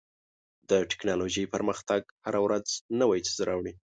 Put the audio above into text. د ټکنالوژۍ پرمختګ هره ورځ نوی څیز راوړي.